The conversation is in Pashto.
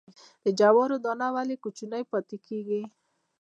د جوارو دانه ولې کوچنۍ پاتې کیږي؟